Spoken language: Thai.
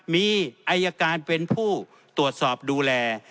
มีอายการเป็นผู้ตรวจสอบดูแล